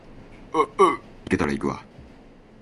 お、おう、行けたら行くわ